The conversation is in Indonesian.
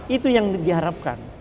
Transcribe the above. itu yang diharapkan